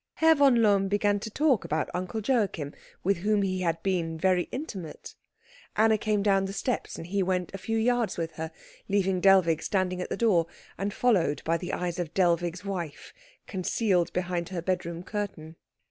Herr von Lohm began to talk about Uncle Joachim, with whom he had been very intimate. Anna came down the steps and he went a few yards with her, leaving Dellwig standing at the door, and followed by the eyes of Dellwig's wife, concealed behind her bedroom curtain.